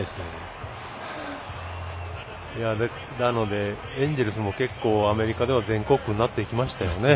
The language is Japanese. なので、エンジェルスも結構、アメリカでも全国区になってきましたよね。